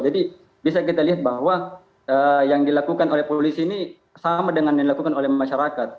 jadi bisa kita lihat bahwa yang dilakukan oleh polisi ini sama dengan yang dilakukan oleh masyarakat